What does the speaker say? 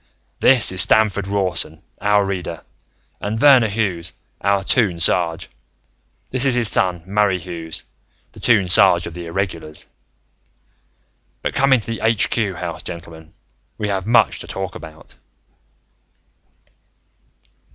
"This is Stamford Rawson, our Reader, and Verner Hughes, our Toon Sarge. This is his son, Murray Hughes, the Toon Sarge of the Irregulars. "But come into the Aitch Cue House, gentlemen. We have much to talk about."